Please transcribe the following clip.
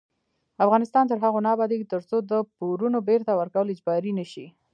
افغانستان تر هغو نه ابادیږي، ترڅو د پورونو بیرته ورکول اجباري نشي.